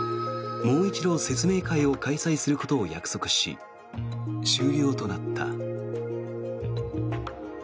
もう一度、説明会を開催することを約束し終了となった。